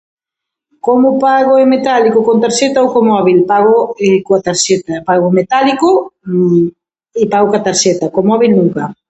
Como pago: en metálico, con tarxeta ou co móbil? Pago coa tarxeta, pago en metálico [unintelligible] i pago coa tarxeta, co móbil nunca.